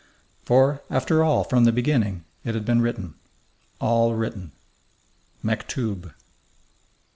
For, after all, from the beginning, it had been written. All written! "Mektoub!"